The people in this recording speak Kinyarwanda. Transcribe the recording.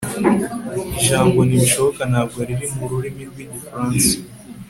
ijambo ntibishoboka ntabwo riri mu rurimi rwigifaransa